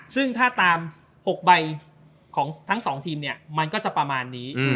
ซึ่งถ้าตาม๖ใบของทั้ง๒ทีมเนี่ยมันก็จะประมาณนี้